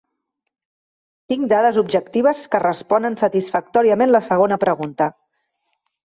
Tinc dades objectives que responen satisfactòriament la segona pregunta.